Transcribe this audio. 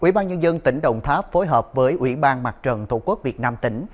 quỹ ban nhân dân tỉnh đồng tháp phối hợp với quỹ ban mặt trận tổ quốc việt nam tỉnh